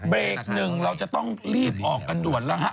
เบรกหนึ่งเราจะต้องรีบออกกันด่วนแล้วฮะ